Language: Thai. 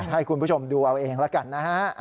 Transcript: ให้คุณผู้ชมดูเอาเองแล้วกันนะฮะ